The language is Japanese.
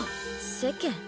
世間？